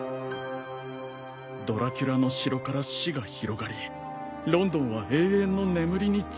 「ドラキュラの城から死が広がりロンドンは永遠の眠りにつく」